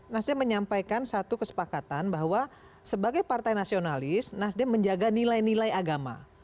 nasdem menyampaikan satu kesepakatan bahwa sebagai partai nasionalis nasdem menjaga nilai nilai agama